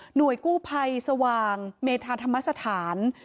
หน่วยกู้ภัยสว่างเมธาร์ธรรมศาสตร์